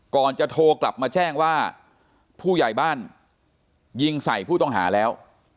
ก่อนจะโทรกลับมาแจ้งว่าผู้ใหญ่บ้านยิงใส่ผู้ต้องหาแล้ว